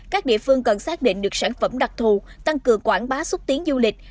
các địa phương cần xác định được sản phẩm đặc thù tăng cường quảng bá xúc tiến du lịch